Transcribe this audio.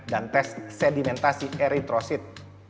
dan tes sedimentasi eritrosit